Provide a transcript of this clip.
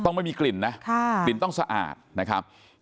ไม่มีกลิ่นนะกลิ่นต้องสะอาดนะครับ